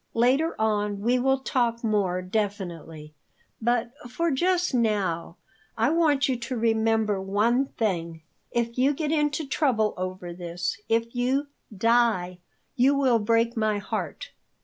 Later on we will talk more definitely. But, for just now, I want you to remember one thing. If you get into trouble over this, if you die, you will break my heart."